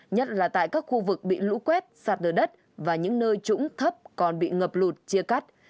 nhất là tại các khu vực bị lũ quét sạt nờ đất và những nơi trũng thấp còn bị ngập lụt chia cắt